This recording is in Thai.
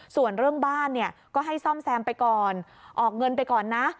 ส่วนเรื่องบ้านเนี่ยก็ให้ซ่อมแซมไปก่อนออกเงินไปก่อนนะ